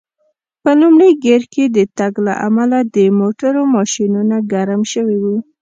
په لومړي ګېر کې د تګ له امله د موټرو ماشینونه ګرم شوي و.